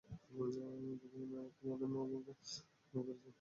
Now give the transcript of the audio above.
ভাগনে আমাকে বলে মামা চোখ বন্ধ করে বিছানায় শুয়ে আছেন কল্পনা করেন।